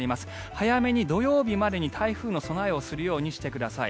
早めに、土曜日までに台風の備えをするようにしてください。